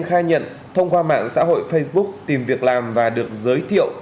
khai nhận thông qua mạng xã hội facebook tìm việc làm và được giới thiệu